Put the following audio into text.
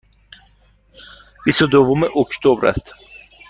بیست و دوم اکتبر است.